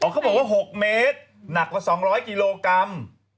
เขาบอกว่า๖เมตรหนักกว่า๒๐๐กิโลกรัม